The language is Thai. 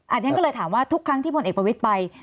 อันนี้ก็เลยถามว่าทุกครั้งที่พลเอกประวิทย์ไป